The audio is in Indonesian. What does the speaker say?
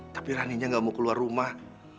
tapi raninya gak mau keluar rumah